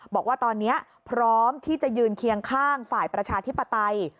บอกว่าตอนนี้พร้อมที่จะยืนเคียงข้างฝ่ายประชาธิปไตย